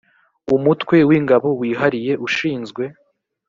umutwe w ingabo wihariye ushinzwe